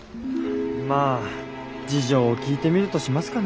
まあ事情を聞いてみるとしますかね。